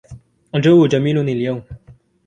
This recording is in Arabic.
الجو جميل اليوم